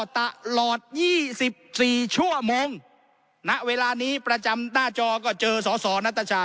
ตะหลอดยี่สิบสี่ชั่วโมงณเวลานี้ประจำหน้าจอก็เจอสอสอนัตตาชา